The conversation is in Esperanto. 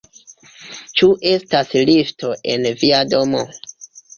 Ĉu estas lifto en via domo?